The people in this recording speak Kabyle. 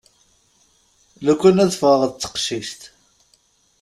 Lukan ad ffɣeɣ d teqcict.